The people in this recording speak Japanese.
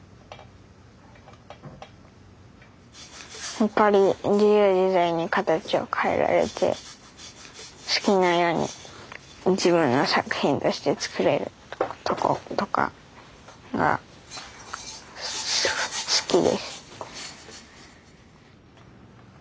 やっぱり自由自在に形を変えられて好きなように自分の作品として作れるとことかが好きです。